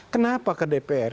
kenapa ke dpr